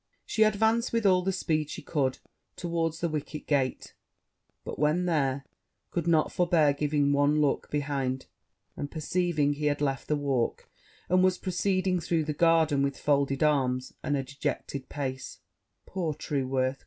She advanced with all the speed she could towards the wicker gate; but, when there, could not forbear giving one look behind; and, perceiving he had left the walk, and was proceeding through the garden, with folded arms, and a dejected pace, 'Poor Trueworth!'